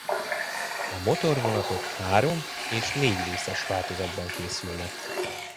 A motorvonatok három- és négyrészes változatban készülnek.